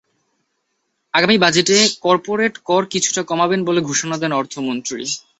আগামী বাজেটে করপোরেট কর কিছুটা কমাবেন বলে ঘোষণা দেন অর্থমন্ত্রী।